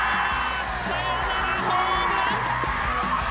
サヨナラホームラン！